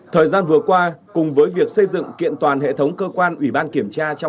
thời gian vừa qua cùng với việc xây dựng kiện toàn hệ thống cơ quan ủy ban kiểm tra trong